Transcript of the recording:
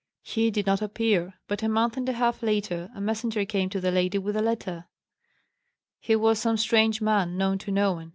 He did not appear, but a month and a half later a messenger came to the lady with a letter. He was some strange man, known to no one.